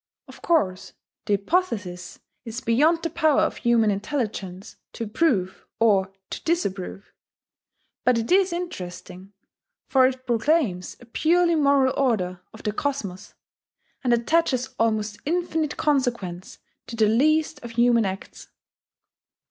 Of course the hypothesis is beyond the power of human intelligence to prove or to disprove. But it is interesting, for it proclaims a purely moral order of the cosmos, and attaches almost infinite consequence to the least of human acts.